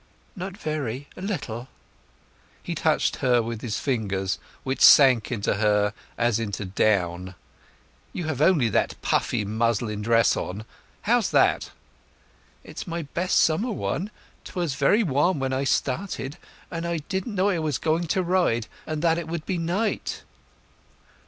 "Not very—a little." He touched her with his fingers, which sank into her as into down. "You have only that puffy muslin dress on—how's that?" "It's my best summer one. 'Twas very warm when I started, and I didn't know I was going to ride, and that it would be night."